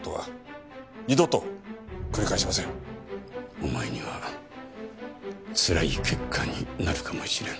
お前には辛い結果になるかもしれん。